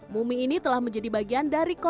mumi ini telah menjadi bagian dari kain kafan